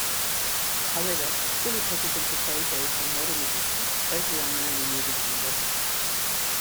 However, chili peppers and potatoes are modern additions, totally unknown in the original recipe.